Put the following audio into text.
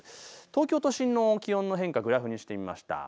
東京都心の気温の変化グラフにしてみました。